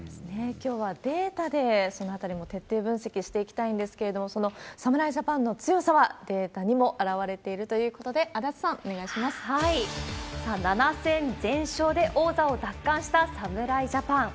きょうはデータで、そのあたりも徹底分析していきたいんですけれども、その侍ジャパンの強さはデータにも表れているということで、足立さん、おさあ、７戦全勝で王座を奪還した侍ジャパン。